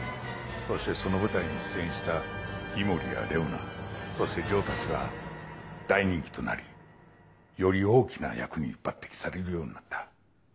そしてその舞台に出演した氷森やレオナそして城たちは大人気となりより大きな役に抜てきされるようになった。